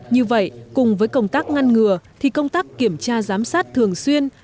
như vậy cùng với công tác ngăn ngừa thì công tác kiểm tra giám sát thường xuyên